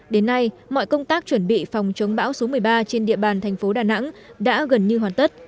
đến nay mọi công tác chuẩn bị phòng chống bão số một mươi ba trên địa bàn thành phố đà nẵng đã gần như hoàn tất